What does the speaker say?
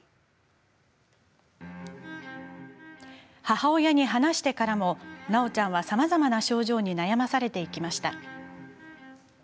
母親に話してからもなおちゃんはさまざまな症状に悩まされていきました。